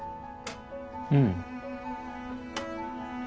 うん。